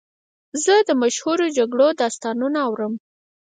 زه د مشهورو جګړو داستانونه اورم.